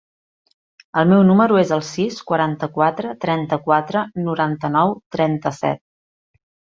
El meu número es el sis, quaranta-quatre, trenta-quatre, noranta-nou, trenta-set.